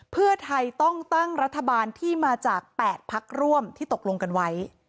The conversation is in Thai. เพื่อไทยต้องตั้งรัฐบาลที่มาจาก๘พักร่วมที่ตกลงกันไว้